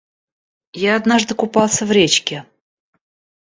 Я однажды купался в речке.